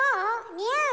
似合う？